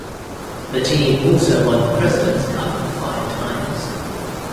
The team also won the President's Cup five times.